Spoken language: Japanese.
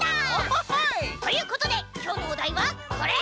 ほほほい！ということできょうのおだいはこれ！